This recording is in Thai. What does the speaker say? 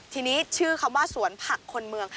ทีนี้ชื่อคำว่าสวนผักคนเมือง